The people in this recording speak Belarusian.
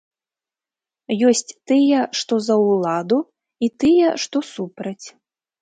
Ёсць тыя, што за ўладу і тыя, што супраць.